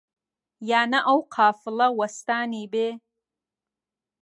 یا نە ئەو قافڵە وەستانی بێ؟